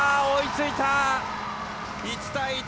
追いついた！